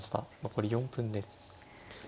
残り４分です。